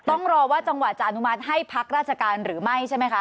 ต้องรอว่าจังหวัดจะอนุมัติให้พักราชการหรือไม่ใช่ไหมคะ